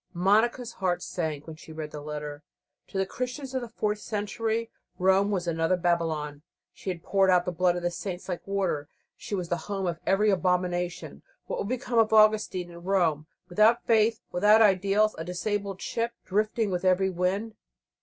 Monica's heart sank when she read the letter. To the Christians of the fourth century Rome was another Babylon. She had poured out the blood of the saints like water; she was the home of every abomination. What would become of Augustine in Rome? Without faith, without ideals, a disabled ship, drifting with every wind.